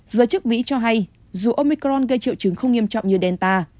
giới chức mỹ cho hay dù omicron gây triệu chứng không nghiêm trọng như delta